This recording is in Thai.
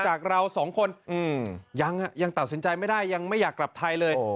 เราสองคนยังตัดสินใจไม่ได้ยังไม่อยากกลับไทยเลย